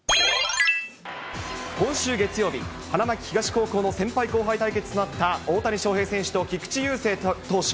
今週月曜日、花巻東高校の先輩・後輩対決となった大谷翔平選手と菊池雄星投手。